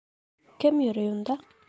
— Кем йөрөй унда?